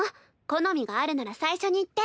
好みがあるなら最初に言って。